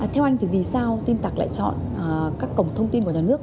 theo anh thì vì sao tin tặc lại chọn các cổng thông tin của nhà nước